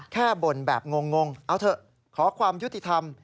บ่นแบบงงเอาเถอะขอความยุติธรรม